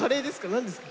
何ですか？